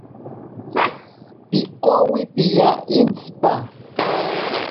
Pikowi piya intsipa.